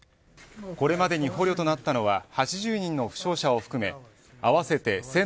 これまでに捕虜となったのは８０人の負傷者を含め合わせて１７３０人で